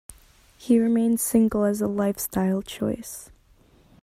He remained single as a lifestyle choice.